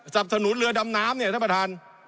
สนุนเรือดำน้ำเนี่ยท่านประธาน